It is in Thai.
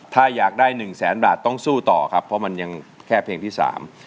ถ้าอยากได้หนึ่งแสนบาทต้องสู้ต่อครับเพราะมันยังแค่เพลงที่สาม